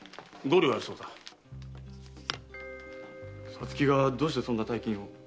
皐月がどうしてそんな大金を？